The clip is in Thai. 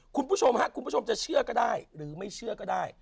คุณผู้ชมฮะคุณผู้ชมจะเชื่อก็ได้หรือไม่เชื่อก็ได้